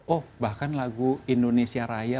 oh bahkan lagu indonesia raya